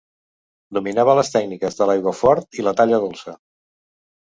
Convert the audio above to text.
Dominava les tècniques de l'aiguafort i la talla dolça.